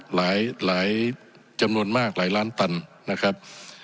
หลายจำนวนมากหลายล้านตันนะครับ